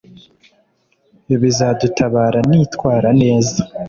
Bizadutabara nitwara neza.